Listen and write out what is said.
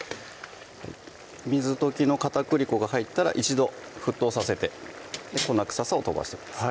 水溶きの片栗粉が入ったら一度沸騰させて粉臭さを飛ばしてください